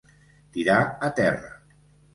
Tirar a terra.